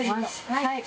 はい。